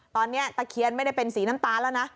ตอนนี้ตะเคียนไม่ได้เป็นสีน้ำตาลแล้วนะ